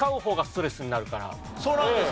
そうなんですか。